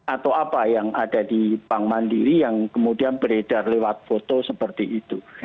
atau apa yang ada di bank mandiri yang kemudian beredar lewat foto seperti itu